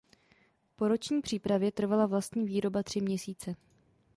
Po roční přípravě trvala vlastní výroba tři měsíce.